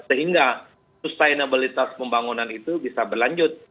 sehingga sustainabilitas pembangunan itu bisa berlanjut